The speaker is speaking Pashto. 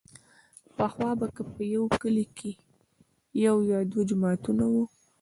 پخوا به که په يوه کلي کښې يو يا دوه جوماته وو.